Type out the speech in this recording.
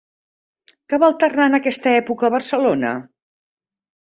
Què va alternar en aquesta època a Barcelona?